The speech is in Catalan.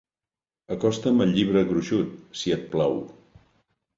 Acosta'm el llibre gruixut, si et plau.